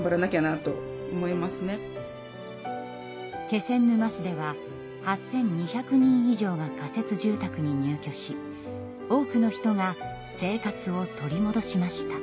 気仙沼市では８，２００人以上が仮設住宅に入居し多くの人が生活を取りもどしました。